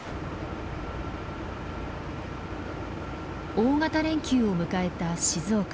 大型連休を迎えた静岡。